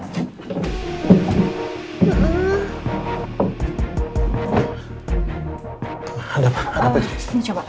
cuma kecapean aja